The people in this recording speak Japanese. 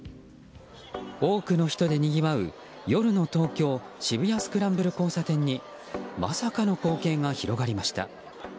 多くの人でにぎわう、夜の東京・渋谷スクランブル交差点にまさかの光景が広がりました。